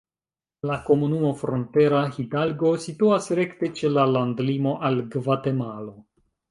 La komunumo Frontera Hidalgo situas rekte ĉe la landlimo al Gvatemalo.